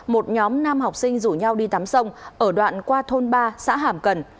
một nhóm nam học sinh rủ nhau đi tắm sông ở đoạn qua thôn ba xã hàm cần